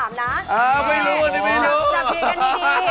เอ้าไม่รู้ทุยไม่รู้ทุย